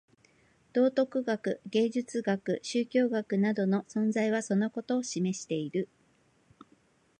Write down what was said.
道徳学、芸術学、宗教学等の存在はそのことを示している。